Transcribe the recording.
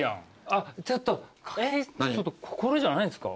あっちょっとこれじゃないんですか？